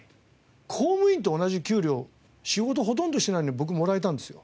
公務員と同じ給料仕事ほとんどしてないのに僕もらえたんですよ。